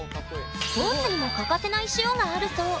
スポーツにも欠かせない塩があるそう！